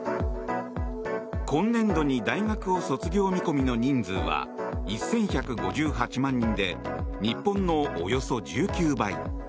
今年度に大学を卒業見込みの人数は１１５８万人で日本のおよそ１９倍。